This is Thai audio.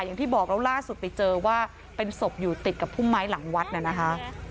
อย่างที่บอกแล้วล่าสุดไปเจอว่าเป็นศพอยู่ติดกับพุ่มไม้หลังวัดน่ะนะคะ